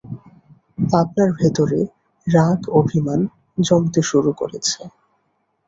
আপনার ভেতর রাগ, অতিমান জমতে শুরু করেছে।